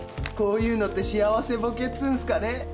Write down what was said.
こういうのって幸せぼけっつうんすかね？